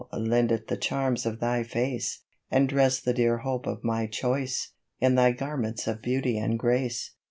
lend it the charms of thy face, And dress the dear hope of my choice In thy garments of beauty and grace.